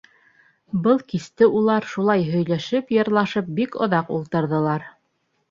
Был кисте улар шулай һөйләшеп-йырлашып бик оҙаҡ ултырҙылар.